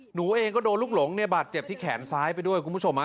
หนูเองก็โดนลูกหลงเนี่ยบาดเจ็บที่แขนซ้ายไปด้วยคุณผู้ชม